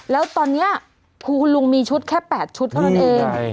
แล้วตอนนี้คือคุณลุงมีชุดแค่๘ชุดเท่านั้นเอง